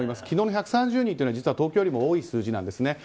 昨日、１３０人というのは実は東京よりも多い数字なんです。